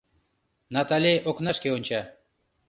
Натале окнашке онча.